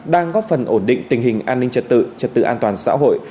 đang góp phần ổn định tình hình an ninh trật tự trật tự an toàn xã hội